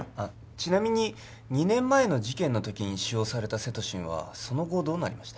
ちなみに２年前の事件のときに使用されたセトシンはその後どうなりました？